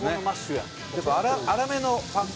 やっぱ粗めのパン粉ですね。